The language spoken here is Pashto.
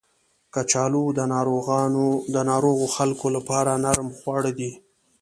کچالو د ناروغو خلکو لپاره نرم خواړه دي